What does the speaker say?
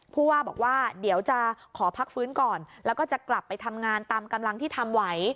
ผู้ว่าบอกว่าเดี๋ยวจะขอพักฟื้นก่อนแล้วก็จะกลับไปทำงานตามกำลังที่ทำไหว